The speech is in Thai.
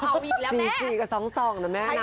๔ครีมกับ๒๒นะแม่นะ